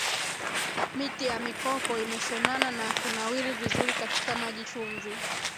Miti ya Mikoko imeshonana na kunawiri vizuri katika maji chumvi